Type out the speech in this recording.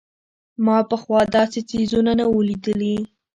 ما پخوا داسې څيزونه نه وو لېدلي.